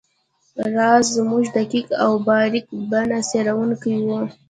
راز زموږ دقیق او باریک بینه څیړونکی وو